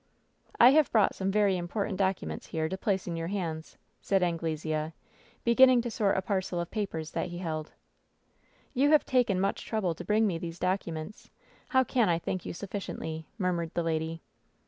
"I have brought some very important documents here to place in your hands," said Anglesea, beginning to sort a parcel of papers that he held. "You have taken much trouble to bring me these documents. How can I thank you suflSciently ?" mur mured the lady.